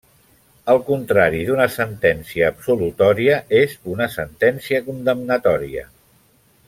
El contrari d'una sentència absolutòria és una sentència condemnatòria.